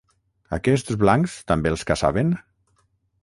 Aquests blancs també els caçaven?